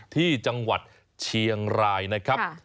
ที่จังหวัดเชียงรายนะครับ